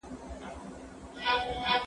خو په پای کې بریالی شو.